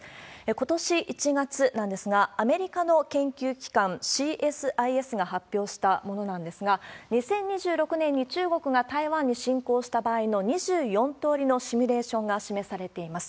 ことし１月なんですが、アメリカの研究機関、ＣＳＩＳが発表したものなんですが、２０２６年に中国が台湾に侵攻した場合の２４通りのシミュレーションが示されています。